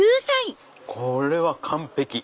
これは完璧！